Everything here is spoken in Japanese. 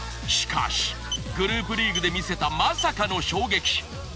しかしグループリーグで見せたまさかの衝撃。